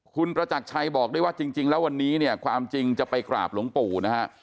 คุณประจักรชัยบอกด้วยว่าจริงแล้ววันนี้เนี่ยความจริงจะไปกราบหลวงปู่นะฮะ